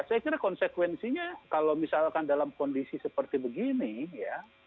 saya kira konsekuensinya kalau misalkan dalam kondisi seperti begini ya